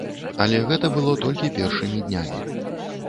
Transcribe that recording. Але гэта было толькі першымі днямі.